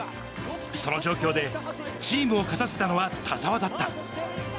その状況でチームを勝たせたのは田澤だった。